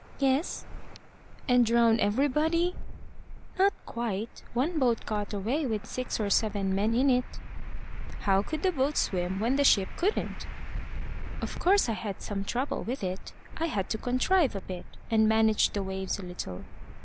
"Yes." "And drown everybody?" "Not quite. One boat got away with six or seven men in it." "How could the boat swim when the ship couldn't?" "Of course I had some trouble with it. I had to contrive a bit, and manage the waves a little.